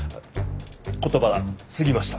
言葉が過ぎました。